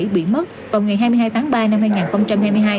bị mất vào ngày hai mươi hai tháng ba năm hai nghìn hai mươi hai